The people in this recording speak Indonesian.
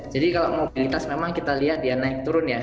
jadi kalau mobilitas memang kita lihat ya naik turun ya